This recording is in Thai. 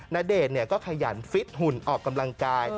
ณเดชน์ก็ขยันฟิตหุ่นออกกำลังกาย